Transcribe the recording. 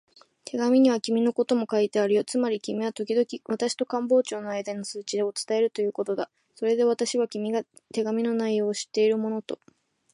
手紙には君のことも書いてあるよ。つまり君はときどき私と官房長とのあいだの通知を伝えるということだ。それで私は、君が手紙の内容を知っているものと